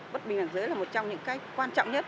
bất bình đẳng giới là một trong những cái quan trọng nhất